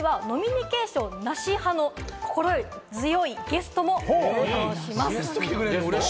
後ほどスタジオには飲みニケーションなし派の心強いゲストも登場します。